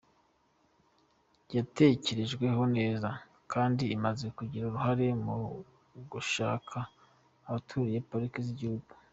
Yatekerejweho neza kandi imaze kugira uruhare mu gufasha abaturiye pariki z’igihugu.